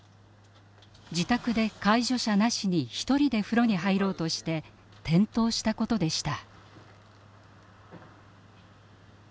自宅で介助者なしに一人で風呂に入ろうとして転倒したことでした。